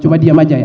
cuma diam saja ya